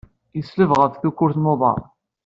Yesleb ɣef tkurt n uḍar.